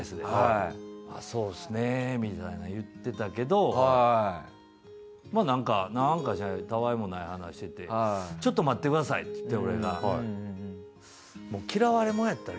そうですねみたいな言ってたけどなんかたわいもない話してて「ちょっと待ってください」って言って俺が。って言ったの。